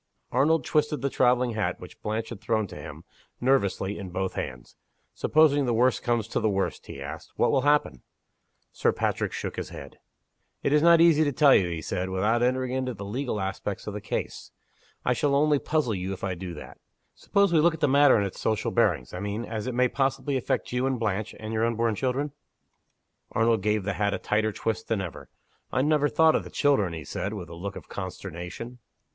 Arnold twisted the traveling hat which Blanche had thrown to him, nervously, in both hands. "Supposing the worst comes to the worst," he asked, "what will happen?" Sir Patrick shook his head. "It is not easy to tell you," he said, "without entering into the legal aspect of the case. I shall only puzzle you if I do that. Suppose we look at the matter in its social bearings I mean, as it may possibly affect you and Blanche, and your unborn children?" Arnold gave the hat a tighter twist than ever. "I never thought of the children," he said, with a look of consternation.